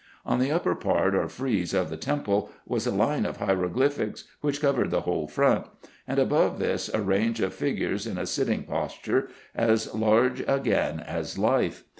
On the upper part or frieze of the temple was a line of hieroglyphics, which covered the whole front ; and above this, a range of figures in a sitting posture, as large again as life.